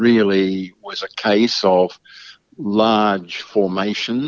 perang besar dan pertempuran